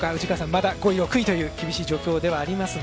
まだ５位６位という厳しい状況ではありますが。